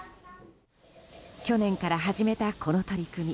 去年から始めたこの取り組み。